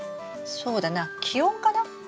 そうだな気温かな。